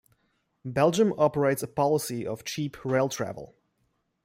Belgium operates a policy of cheap rail travel.